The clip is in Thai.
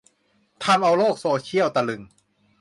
ทำเอาโลกโซเชียลตะลึง